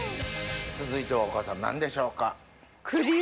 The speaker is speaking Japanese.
続いてはお母さん何でしょうか？